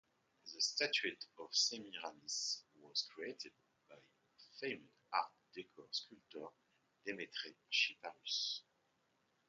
The statuette of Semiramis was created by famed Art Deco sculptor Demetre Chiparus.